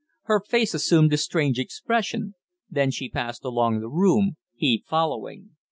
Her face assumed a strange expression. Then she passed along the room, he following.